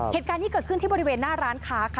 เหตุการณ์นี้เกิดขึ้นที่บริเวณหน้าร้านค้าค่ะ